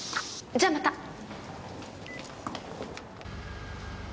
じゃあまた。